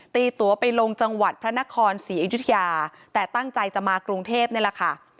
ตีตัวไปลงจังหวัดพระนครศรีอยุธยาแต่ตั้งใจจะมากรุงเทพนี่แหละค่ะ